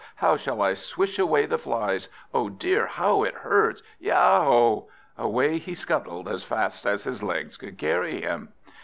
how shall I swish away the flies? Oh dear, how it hurts! Yow ow ow!" Away he scuttled, as fast as his legs could carry him.